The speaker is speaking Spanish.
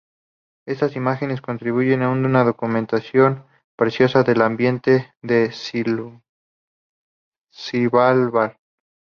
Esas imágenes constituyen una documentación preciosa del ambiente de Svalbard.